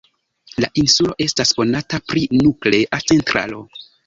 La insulo estas konata pri nuklea centralo.